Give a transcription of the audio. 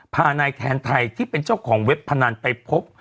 พานายแทนไทยที่เป็นเจ้าของเว็บพนันไปพบ